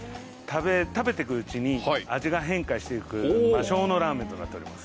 食べていくうちに味が変化していく魔性のラーメンとなっています。